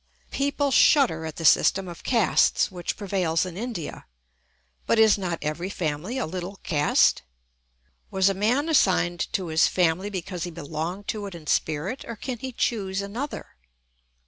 People shudder at the system of castes which prevails in India; but is not every family a little caste? Was a man assigned to his family because he belonged to it in spirit, or can he choose another?